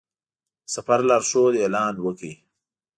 د سفر لارښود اعلان وکړ.